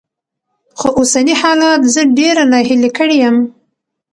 خو اوسني حالات زه ډېره ناهيلې کړې يم.